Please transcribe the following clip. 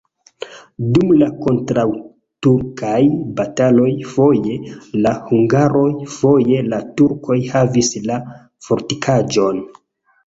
Dum la kontraŭturkaj bataloj foje la hungaroj, foje la turkoj havis la fortikaĵon.